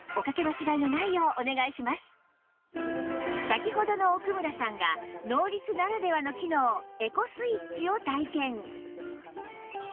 先ほどの奥村さんがノーリツならではの機能エコスイッチを体験